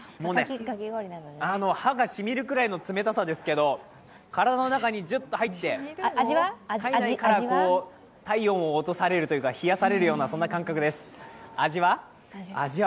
歯が染みるくらい冷たさですけど、体の中にジュッと入って、体内から体温を落とされるというか、冷やされるような、そんな感覚です味は？